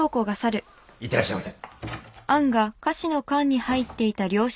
いってらっしゃいませ。